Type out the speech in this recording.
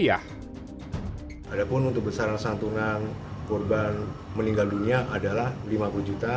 ada pun untuk besaran santunan korban meninggal dunia adalah lima puluh juta